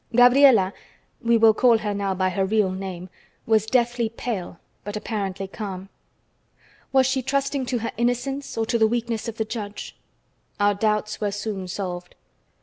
Gabriela (we will call her now by her real name) was deathly pale, but apparently calm. Was she trusting to her innocence or to the weakness of the judge? Our doubts were soon solved.